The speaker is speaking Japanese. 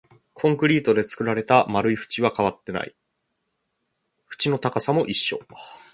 コンクリートで作られた丸い縁は変わっていない、縁の高さも一緒